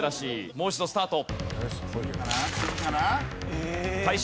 もう一度スタート。